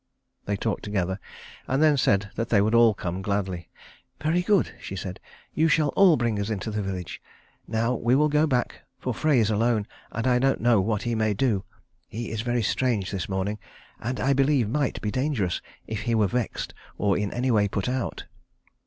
They talked together, and then said they would all come gladly. "Very good," she said. "You shall all bring us into the village. Now we will go back, for Frey is alone, and I don't know what he may do. He is very strange this morning, and I believe might be dangerous if he were vexed or in any way put out."